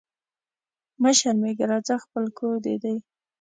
مه شرمېږه راځه خپل کور دي دی